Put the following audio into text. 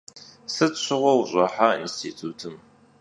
Sıt şığue vuş'ıha yinstitutım?